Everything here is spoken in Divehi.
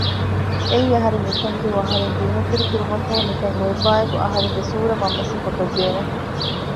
އެއީ އަހަރެންގެ އުފަންދުވަހު އަހަރެން ޒީނަތްތެރި ކުރުމަށްފަހު ނިކަން ލޯތްބާއެކު އަހަރެންގެ ސޫރަ މަންމަ ސިފަކޮށްދޭނެ